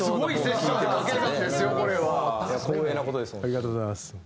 ありがとうございます。